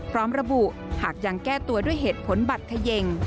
พร้อมระบุหากยังแก้ตัวด้วยเหตุผลบัตรเขย่ง